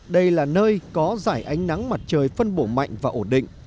đây là nơi có giải ánh nắng mặt trời phân bổ mạnh và ổn định